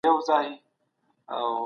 پسله كلونو څه چي